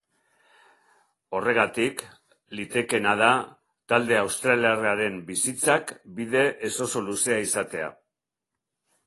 Horregatik, litekeena da talde australiarraren bizitzak bide ez oso luzea izatea.